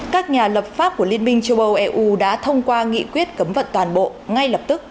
các nhà lập pháp của liên minh châu âu eu đã thông qua nghị quyết cấm vận toàn bộ ngay lập tức